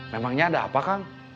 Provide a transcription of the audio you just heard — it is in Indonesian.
memangnya ada apa kang